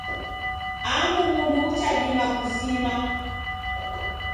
Angu mundu uchadima kusima